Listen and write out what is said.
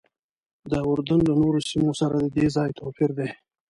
د اردن له نورو سیمو سره ددې ځای توپیر دی.